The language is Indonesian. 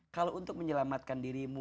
kalau untuk menyelamatkan dirimu